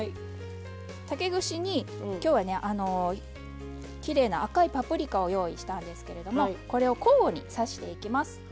竹串に今日はきれいな赤いパプリカを用意したんですけれどもこれを交互に刺していきます。